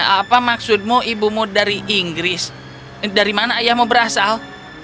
apa maksudmu ibumu dari inggris dari mana ayahmu berasal